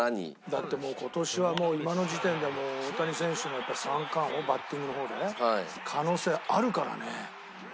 だってもう今年は今の時点で大谷選手の三冠王バッティングの方で可能性あるからね。